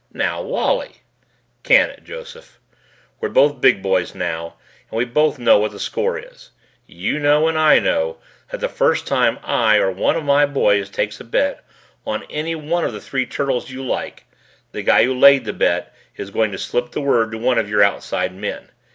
"Now, Wally " "Can it, Joseph. We're both big boys now and we both know what the score is. You know and I know that the first time I or one of my boys takes a bet on any one of the three turtles you like, the guy who laid the bet is going to slip the word to one of your outside men.